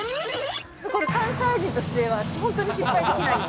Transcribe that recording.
これ、関西人としては、本当に失敗できないんで。